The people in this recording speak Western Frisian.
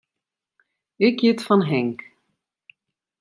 Ik hjit fan Henk.